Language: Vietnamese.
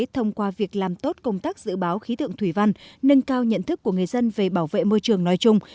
thông qua việc làm tốt công tác dự báo khí tượng thủy văn nâng cao nhận thức của người dân về bảo vệ môi trường nói chung